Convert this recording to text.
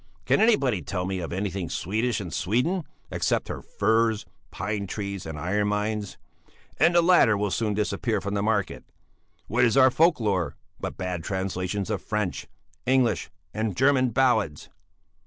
Can anybody tell me of anything Swedish in Sweden except her firs, pine trees, and iron mines? And the latter will soon disappear from the market. What is our folk lore but bad translations of French, English, and German ballads?